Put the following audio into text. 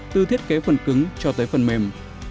từ thiết kế phần cứng cho tới phần mềm